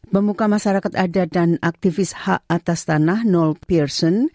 memuka masyarakat adat dan aktivis hak atas tanah noel pearson